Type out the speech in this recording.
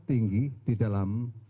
tinggi di dalam